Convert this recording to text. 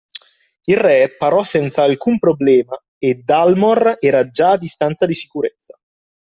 Il re parò senza alcun problema e Dalmor era già a distanza di sicurezza.